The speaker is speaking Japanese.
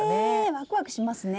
ワクワクしますね！